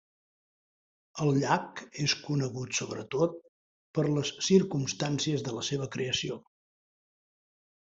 El llac és conegut sobretot per les circumstàncies de la seva creació.